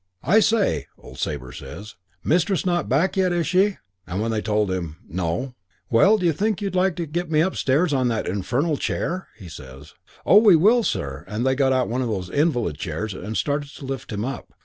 'I say,' old Sabre says, 'Mistress not back yet, is she?' and when they told him No, 'Well', d'you think you'd like to get me upstairs on that infernal chair?' he says. "'Oh, we will, sir,' and they got out one of those invalid chairs and started to lift him up.